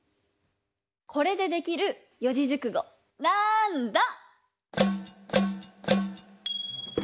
これでできる四字熟語なんだ？